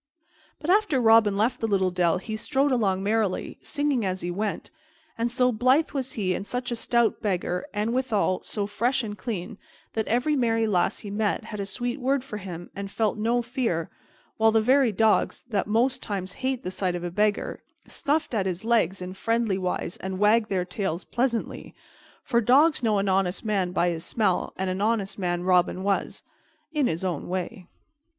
But after Robin left the little dell he strode along merrily, singing as he went; and so blithe was he and such a stout beggar, and, withal, so fresh and clean, that every merry lass he met had a sweet word for him and felt no fear, while the very dogs, that most times hate the sight of a beggar, snuffed at his legs in friendly wise and wagged their tails pleasantly; for dogs know an honest man by his smell, and an honest man Robin was in his own way.